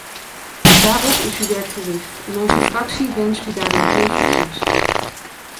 Daarop is uw werk gericht en onze fractie wenst u daarbij veel succes.